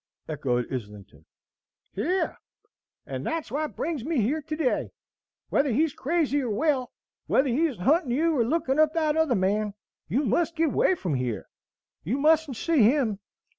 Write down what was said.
echoed Islington. "Here! And that's what brings me here to day. Whethers he's crazy or well, whethers he's huntin' you or lookin' up that other man, you must get away from here. You mustn't see him.